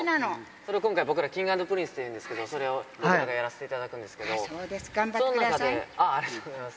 それを今回、僕ら、Ｋｉｎｇ＆Ｐｒｉｎｃｅっていうんですけど、それをやらせていたあー、そうですか、頑張ってありがとうございます。